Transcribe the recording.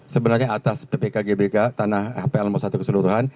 sebenarnya atas ppkgbk tanah hpl satu keseluruhan